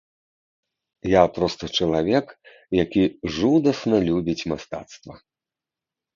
Я проста чалавек, які жудасна любіць мастацтва.